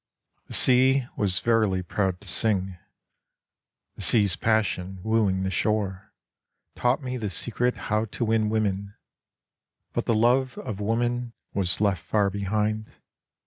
By the Sea 49 The sea ^\as verily proud to sing : The sea's passions wooing the shore. Taught me the secret how to win woman ; But the love of woman was left far behind.